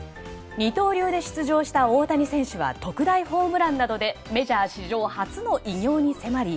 二刀流で出場した大谷選手は特大ホームランなどでメジャー史上初の偉業に迫り